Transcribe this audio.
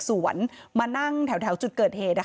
พระกุมาตรขึ้นมาจากสวนมานั่งแถวจุดเกิดเหตุ